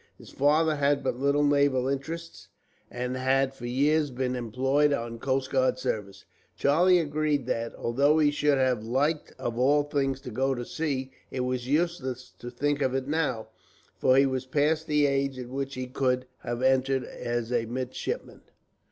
His father had but little naval interest, and had for years been employed on coast guard service. Charlie agreed that, although he should have liked of all things to go to sea, it was useless to think of it now, for he was past the age at which he could have entered as a midshipman.